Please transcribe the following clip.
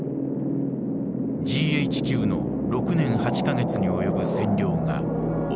ＧＨＱの６年８か月に及ぶ占領が終わった。